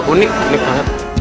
unik unik banget